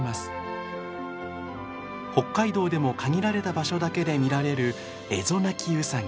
北海道でも限られた場所だけで見られるエゾナキウサギ。